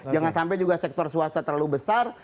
jangan sampai juga sektor swasta terlalu besar